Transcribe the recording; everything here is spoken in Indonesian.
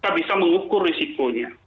kita bisa mengukur risikonya